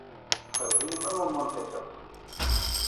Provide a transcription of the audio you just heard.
Ḥerz-iyi am mummu n tiṭ-ik.